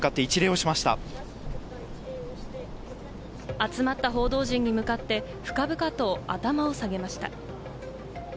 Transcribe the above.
集まった報道陣に向かって、深々と頭を下げました。